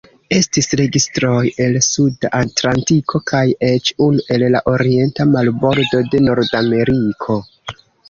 Estis registroj el Suda Atlantiko kaj eĉ unu el la orienta marbordo de Nordameriko.